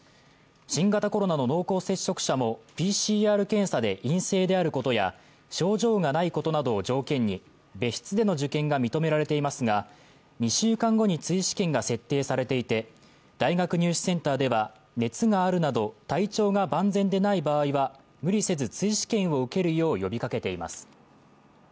新型コロナの濃厚接触者もＰＣＲ検査で陰性であることや症状がないことなどを条件に別室での受験が認められていますが２週間後に追試験が設定されていて大学入試センターでは熱があるなど体調が万全でない場合は無理せず追試験を受けるよう呼びかけています。